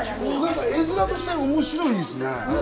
絵面として面白いっすね。